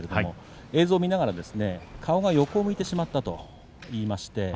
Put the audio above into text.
映像を見ながら顔を横を向いてしまったと言いました。